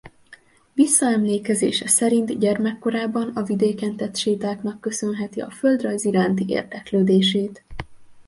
Visszaemlékezése szerint gyermekkorában a vidéken tett sétáknak köszönheti a földrajz iránti érdeklődését.